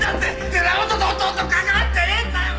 寺本とほとんど関わってねえんだよ！